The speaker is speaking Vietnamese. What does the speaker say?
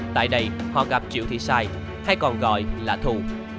tại đây họ gặp triệu thị sai hay còn gọi là thù